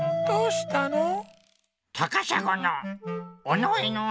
どうしたの？